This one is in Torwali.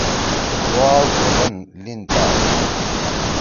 خوا ڙُوبن لیِن تال